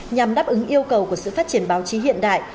nhằm đáp ứng yêu cầu của sự phát triển báo chí hiện đại